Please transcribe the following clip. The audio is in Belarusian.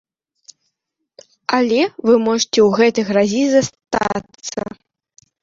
Але вы можаце ў гэтай гразі застацца.